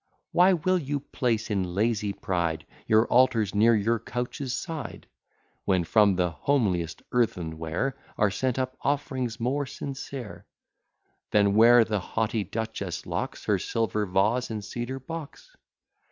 Why will you place in lazy pride Your altars near your couches' side: When from the homeliest earthen ware Are sent up offerings more sincere, Than where the haughty duchess locks Her silver vase in cedar box?